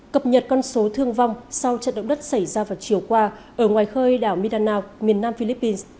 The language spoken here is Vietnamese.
cập nhật con số thương vong sau trận động đất xảy ra vào chiều qua ở ngoài khơi đảo midanao miền nam philippines